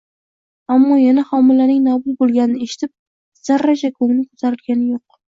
Ammo, yana homilaning nobud bo`lganini eshitib, zarracha ko`ngli ko`tarilgani yo`q